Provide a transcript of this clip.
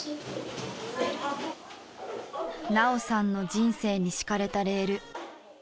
菜桜さんの人生に敷かれたレール。